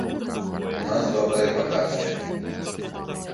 У нас добрыя паказчыкі.